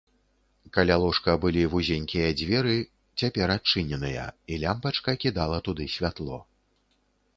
Каля ложка былі вузенькія дзверы, цяпер адчыненыя, і лямпачка кідала туды святло.